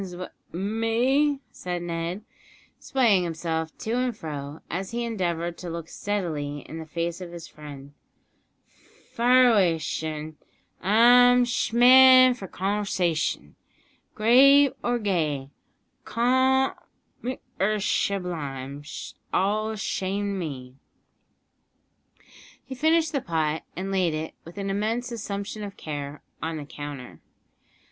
"Conv'shas'n wi' me?" said Ned, swaying himself to and fro as he endeavoured to look steadily in the face of his friend; "fire away, shen. I'm sh' man f'r conv'shash'n, grave or gay, comic 'r shublime, 's all the shame to me!" He finished the pot, and laid it, with an immense assumption of care, on the counter.